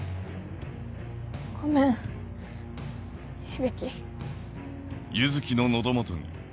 ごめん響。